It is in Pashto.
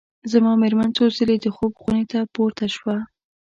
زما مېرمن څو ځلي د خوب خونې ته پورته شوه.